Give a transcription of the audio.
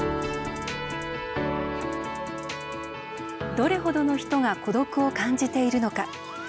どれほどの人が孤独を感じているのか。